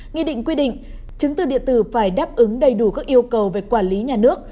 nghị định quy định chứng từ điện tử phải đáp ứng đầy đủ các yêu cầu về quản lý nhà nước